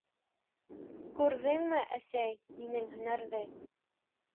— Күрҙеңме, әсәй, минең һөнәрҙе.